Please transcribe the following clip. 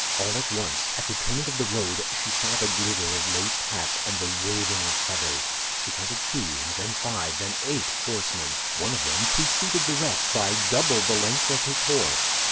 All at once, at the turning of the road she saw the glitter of laced hats and the waving of feathers; she counted two, then five, then eight horsemen. One of them preceded the rest by double the length of his horse.